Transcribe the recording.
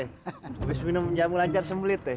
habis minum jam belajar sembelit ya